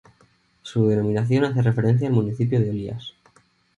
Su denominación hace referencia al municipio de Olías.